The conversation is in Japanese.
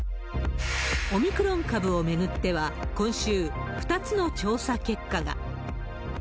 オミクロン株を巡っては、今週、２つの調査結果が。